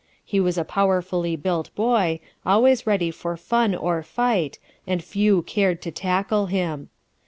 He was a powerfully built boy, always ready for fun or fight, and few cared to tackle him.